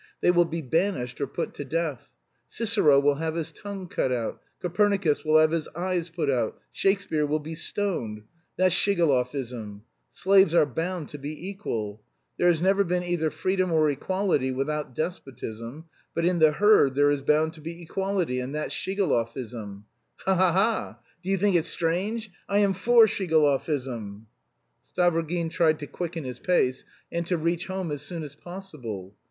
They will be banished or put to death. Cicero will have his tongue cut out, Copernicus will have his eyes put out, Shakespeare will be stoned that's Shigalovism. Slaves are bound to be equal. There has never been either freedom or equality without despotism, but in the herd there is bound to be equality, and that's Shigalovism! Ha ha ha! Do you think it strange? I am for Shigalovism." Stavrogin tried to quicken his pace, and to reach home as soon as possible.